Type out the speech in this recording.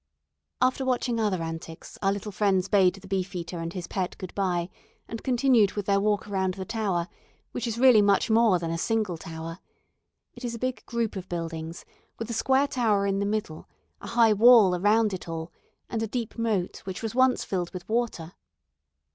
After watching other antics our little friends bade the "Beefeater" and his pet good bye and continued their walk around the Tower, which is really much more than a single tower. It is a big group of buildings, with a square tower in the middle, a high wall around it all, and a deep moat which was once filled with water.